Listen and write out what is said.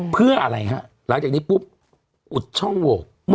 เพื่ออะไรฮะหลังจากนี้ปุ๊บอุดช่องโหวก